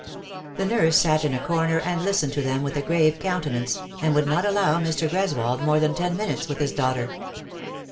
The nurse sat in a corner and listened to them with a grave countenance, and would not allow Mr. Greswold more than ten minutes with his daughter.